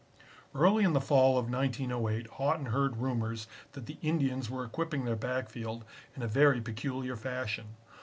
"Early in the fall of 1908 Haughton heard rumors that the Indians were equipping their backfield in a very peculiar fashion.